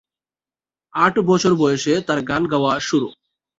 আট বছর বয়সে তার গান গাওয়া শুরু।